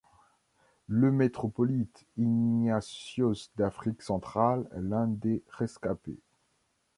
Le Métropolite Ignatios d'Afrique centrale est l'un des rescapés.